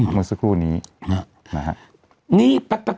เมื่อสักครู่นี้นะฮะ